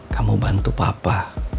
kamu bantu papa